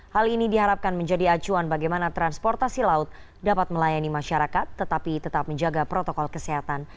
hal ini diharapkan menjadi acuan bagaimana transportasi laut dapat melayani masyarakat tetapi tetap menjaga protokol kesehatan